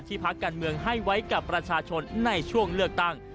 พักการเมืองให้ไว้กับประชาชนในช่วงเลือกตั้ง